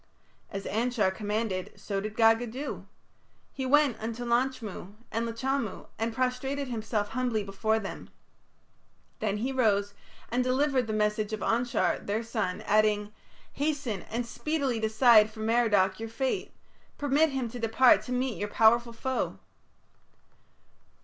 As Anshar commanded so did Gaga do. He went unto Lachmu and Lachamu and prostrated himself humbly before them. Then he rose and delivered the message of Anshar, their son, adding: "Hasten and speedily decide for Merodach your fate. Permit him to depart to meet your powerful foe."